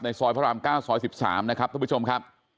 ซอยพระราม๙ซอย๑๓นะครับท่านผู้ชมครับ